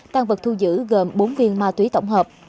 tăng vật thu giữ gồm bốn viên ma túy tổng hợp